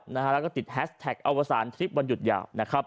แล้วก็ติดแฮสแท็กเอาวสารทริปวันหยุดยาว